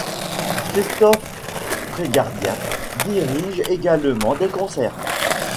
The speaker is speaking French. Christoph Prégardien dirige également des concerts.